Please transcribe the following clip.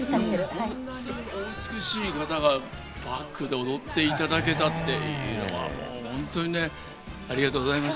こんなにお美しい方に、バックで踊っていただけたって、本当にね、ありがとうございます。